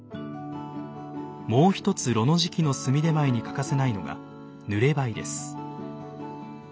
もう一つ炉の時期の炭点前に欠かせないのが「ぬれ灰」です。